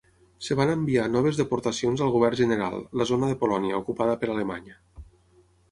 Es van enviar noves deportacions al Govern General, la zona de Polònia, ocupada per Alemanya.